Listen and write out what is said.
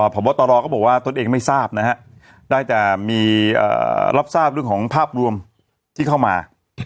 พบตรก็บอกว่าตนเองไม่ทราบนะฮะได้แต่มีรับทราบเรื่องของภาพรวมที่เข้ามา